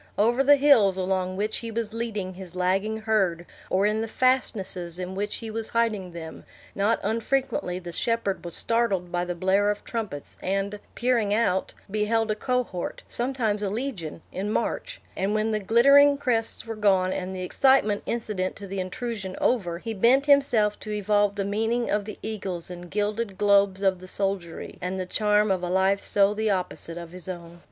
Over the hills along which he was leading his lagging herd, or in the fastnesses in which he was hiding them, not unfrequently the shepherd was startled by the blare of trumpets, and, peering out, beheld a cohort, sometimes a legion, in march; and when the glittering crests were gone, and the excitement incident to the intrusion over, he bent himself to evolve the meaning of the eagles and gilded globes of the soldiery, and the charm of a life so the opposite of his own.